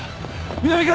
南君！